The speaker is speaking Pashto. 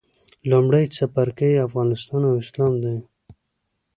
لومړی څپرکی افغانستان او اسلام دی.